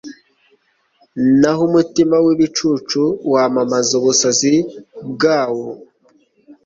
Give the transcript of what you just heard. naho umutima w’ibicucu wamamaza ubusazi bwawo